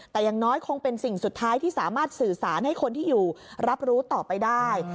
แต่อย่างน้อยคงเป็นสิ่งสุดท้ายที่สามารถสื่อสารให้คนที่อยู่รับรู้ต่อไปได้